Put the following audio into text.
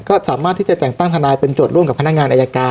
ก็สามารถที่จะแต่งตั้งทนายเป็นโจทย์ร่วมกับพนักงานอายการ